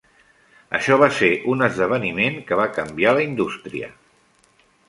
Això va ser un esdeveniment que va canviar la indústria.